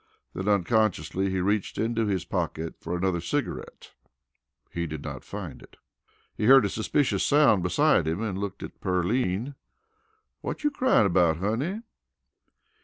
Then, unconsciously, he reached into his pocket for another cigarette. He did not find it. He heard a suspicious sound beside him and looked at Pearline. "Whut you cryin' about honey?"